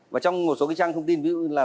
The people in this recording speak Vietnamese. và trong một số cái trang thông tin ví dụ như là